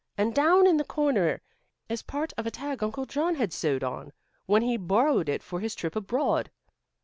And down in the corner is part of a tag Uncle John had sewed on, when he borrowed it for his trip abroad.